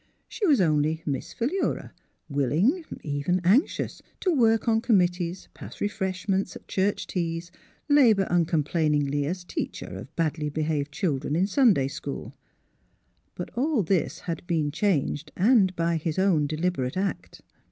She was only " Miss Philura," willing — even anxious to work on committees, pass refreshments at church teas, labour uncomplainingly as teacher of badly behaved children in Sunday school. But all this had been changed, and by his own deliber ate act.